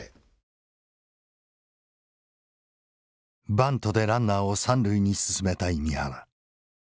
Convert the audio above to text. バントでランナーを三塁に進めたい三原。